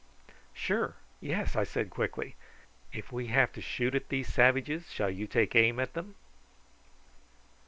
"Sure! Yes," I said quickly. "If we have to shoot at these savages shall you take aim at them?"